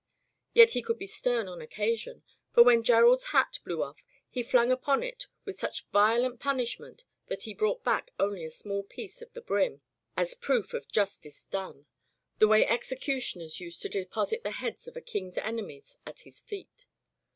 Yet he could be stem on occasion, for when Gerald's hat blew off he flung upon it with such violent punishment that he brought back only a small piece of the brim as proof of justice done, the way execu tioners used to deposit the heads of a king's enemies at his feet.